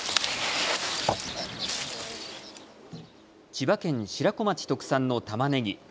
千葉県白子町特産のたまねぎ。